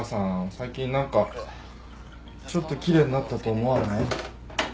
最近何かちょっと奇麗になったと思わない？